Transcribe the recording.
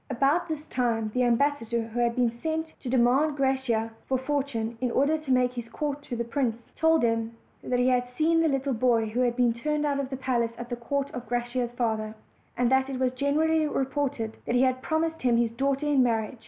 About this time the ambassador who had been sent to demand Graciosa for Fortune, in order to make his court to the prince, told him that he had seen the little boy who had been turned out of his palace at the court of Graciosa's father, and that it was generally reported he had promised him his daughter in marriage.